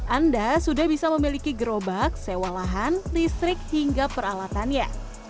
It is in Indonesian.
anda sudah bisa memiliki gerobak sewa lahan listrik hingga peralatannya